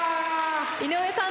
井上さん